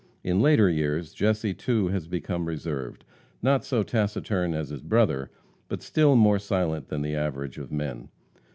In later years Jesse, too, has become reserved, not so taciturn as his brother, but still more silent than the average of men.